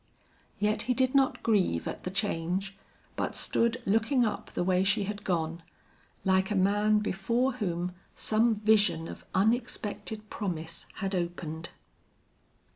Yet he did not grieve at the change, but stood looking up the way she had gone, like a man before whom some vision of unexpected promise had opened.